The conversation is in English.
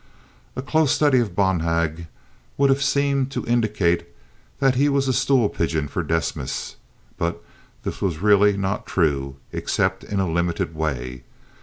A close study of Bonhag would have seemed to indicate that he was a stool pigeon of Desmas, but this was really not true except in a limited way.